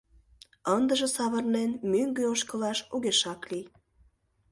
Ындыже савырнен мӧҥгӧ ошкылаш огешак лий.